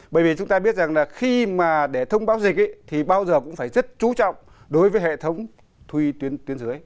bởi vì chúng ta biết rằng là khi mà để thông báo dịch thì bao giờ cũng phải rất chú trọng đối với hệ thống thu y tuyến dưới